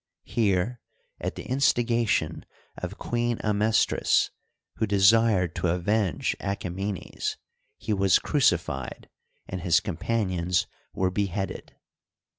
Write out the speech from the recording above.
Here, at the instigation of Queen Amestris, who desired to avenge Achaemenes, he was crucified and his companions were beheaded.